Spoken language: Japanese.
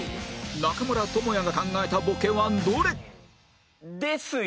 中村倫也が考えたボケはどれ？ですよ。